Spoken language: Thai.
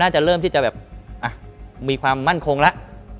จะเริ่มที่จะแบบมีความมั่นคงแล้ว